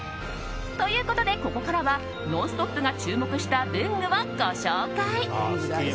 ということでここからは「ノンストップ！」が注目した文具をご紹介。